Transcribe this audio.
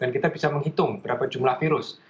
kita bisa menghitung berapa jumlah virus